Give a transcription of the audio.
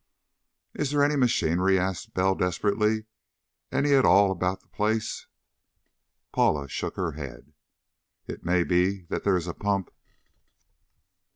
"Is there any machinery?" asked Bell desperately. "Any at all about the place?" Paula shook her head. "It may be that there is a pump."